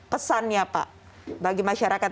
pesannya pak bagi masyarakat